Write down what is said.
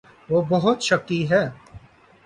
وہ بہت شکی ہے۔